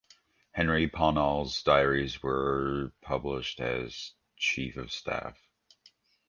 Henry Pownall's diaries were published as Chief of Staff.